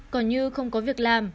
còn như không có việc làm